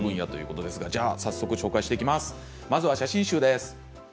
まずは写真集です。